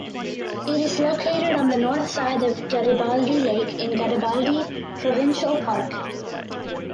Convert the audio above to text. It is located on the north side of Garibaldi Lake in Garibaldi Provincial Park.